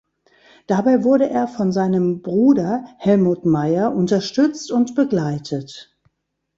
Dabei wurde er von seinem Bruder Helmuth Mayr unterstützt und begleitet.